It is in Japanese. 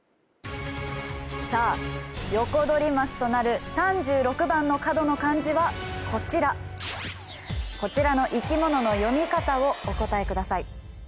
さあヨコドリマスとなる３６番の角の漢字はこちらこちらの生き物の読み方をお答えください